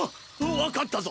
わかったぞ！